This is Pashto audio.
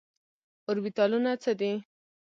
اوربيتالونه څه دي ؟